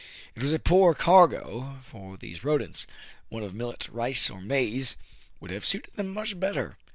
It was a poor cargo for these rodents.. One of millet, rice, or maize would have suited them much better.